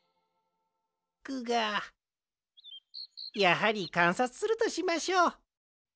グガやはりかんさつするとしましょう。